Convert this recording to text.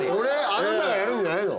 あなたがやるんじゃないの？